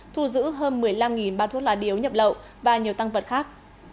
thu giữ hơn một mươi năm bát thuốc lá điếu nhập lậu và nhiều tăng vật khác